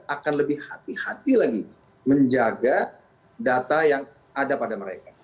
akan lebih hati hati lagi menjaga data yang ada pada mereka